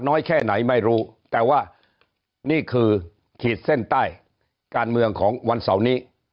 น้อยแค่ไหนไม่รู้แต่ว่านี่คือขีดเส้นใต้การเมืองของวันเสาร์นี้